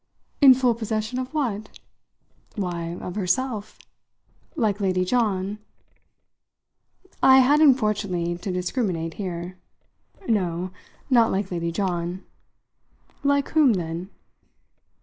"In full possession of what?" "Why, of herself." "Like Lady John?" I had unfortunately to discriminate here. "No, not like Lady John." "Like whom then?"